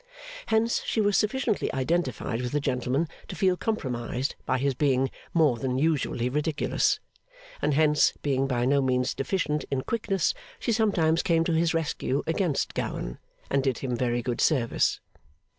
Hence, she was sufficiently identified with the gentleman to feel compromised by his being more than usually ridiculous; and hence, being by no means deficient in quickness, she sometimes came to his rescue against Gowan, and did him very good service.